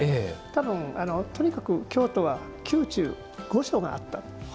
多分とにかく京都は宮中、御所があった。